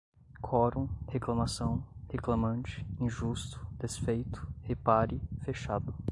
quorum, reclamação, reclamante, injusto, desfeito, repare, fechado